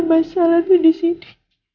masalah dia disini